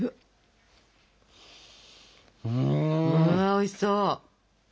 まあおいしそう。